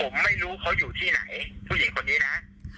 ผมไม่รู้เขาอยู่ที่ไหนผู้หญิงคนนี้นะ